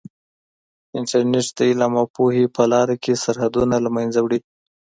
انټرنیټ د علم او پوهې په لاره کې سرحدونه له منځه وړي.